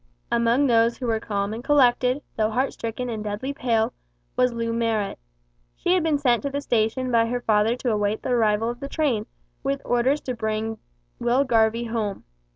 Among those who were calm and collected, though heart stricken and deadly pale, was Loo Marrot. She had been sent to the station by her father to await the arrival of the train, with orders to bring Will Garvie home.